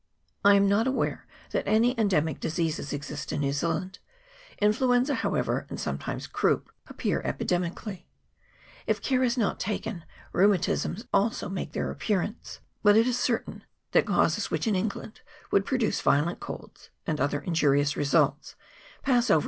I am not aware that any endemic diseases exist in New Zea land ; influenza, however, and sometimes croup, ap pear epidemically, If care is not taken, rheuma tisms also make their appearance ; but it is certain that causes which, in England, would produce vio lent colds, and other injurious results, pass over in CHAP.